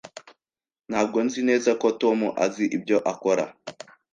Ntabwo nzi neza ko Tom azi ibyo akora.